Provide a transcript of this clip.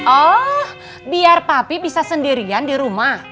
oh biar papi bisa sendirian di rumah